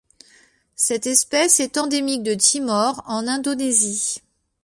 Cette espèce est endémique de Timor en Indonésie.